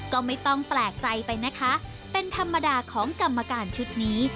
ก็ไม่ต้องแปลกใจไปนะคะเป็นธรรมดาของกรรมการชุดนี้